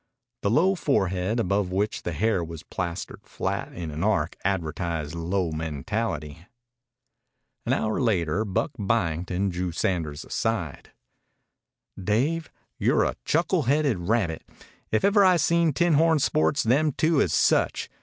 The low forehead, above which the hair was plastered flat in an arc, advertised low mentality. An hour later Buck Byington drew Sanders aside. "Dave, you're a chuckle haided rabbit. If ever I seen tinhorn sports them two is such.